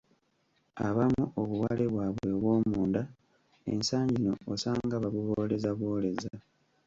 Abamu obuwale bwabwe obw'omunda ensangi zino osanga babubooleza bwoleza.